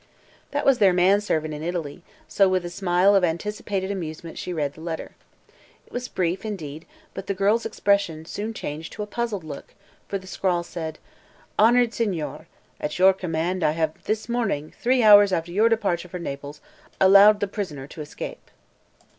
That was their man servant in Italy, so with a smile of anticipated amusement she read the letter. It was brief, indeed, but the girl's expression soon changed to a puzzled look, for the scrawl said: "Honored Signore: At your command I have this morning, three hours after your departure for Naples, allowed the prisoner to escape."